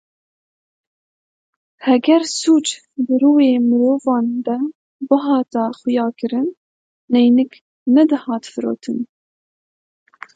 Heger sûc di rûyê mirovan de bihata xuyakirin, neynik nedihatin firotin.